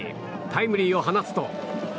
タイムリーを放つと。